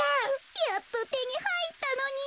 やっとてにはいったのに。